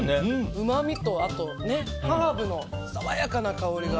うまみとハーブの爽やかな香りが。